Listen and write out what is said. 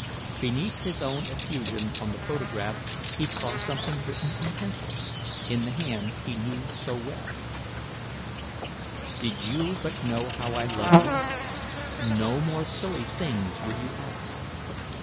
Beneath his own effusion on the photograph he saw something written in pencil, in the hand he knew so well: "Did you but know how I love you, No more silly things would you ask.